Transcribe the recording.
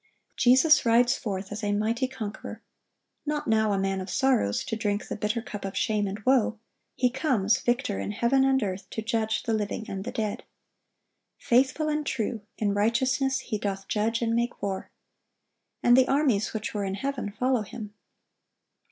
Jesus rides forth as a mighty conqueror. Not now a "man of sorrows," to drink the bitter cup of shame and woe, He comes, victor in heaven and earth, to judge the living and the dead. "Faithful and true," "in righteousness He doth judge and make war." And "the armies which were in heaven follow Him."